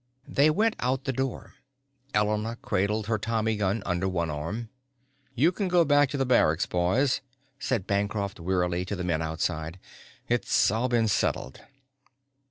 They went out the door. Elena cradled her tommy gun under one arm. "You can go back to the barracks, boys," said Bancroft wearily to the men outside. "It's all been settled."